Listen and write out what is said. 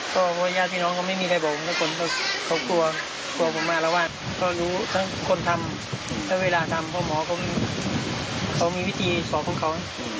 จ้อยแล้วก็บอกว่ามีวิธีสอบของเขา